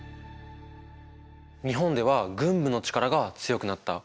日本では軍部の力が強くなった。